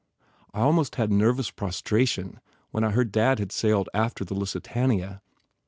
I almost had nervous prostration, when I heard Dad had sailed after the Lusitania!"